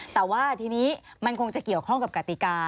แต่ว่าทีนี้มันคงจะเกี่ยวข้องกับกติกา